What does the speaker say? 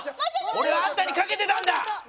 俺はあんたに賭けてたんだ！